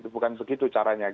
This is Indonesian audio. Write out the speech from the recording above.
bukan begitu caranya